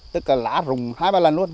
tức là lá rùng hai ba lần luôn